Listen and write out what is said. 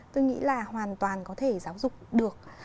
tôi nghĩ là hoàn toàn có thể giáo dục được